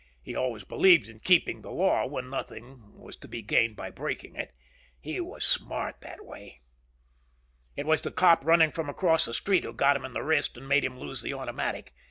He always believed in keeping the law when nothing was to be gained in breaking it. He was smart that way. It was the cop running from across the street who got him in the wrist and made him lose the automatic.